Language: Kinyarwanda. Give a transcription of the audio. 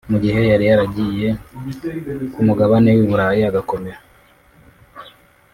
mu gihe yari yaragiye ku mugabane w’i Buraya agakomera